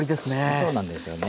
そうなんですよね。